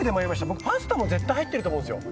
僕パスタも絶対入ってると思うんですよ。